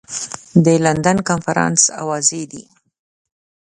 د لندن کنفرانس اوازې دي.